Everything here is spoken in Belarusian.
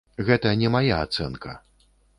Гэта не мая ацэнка.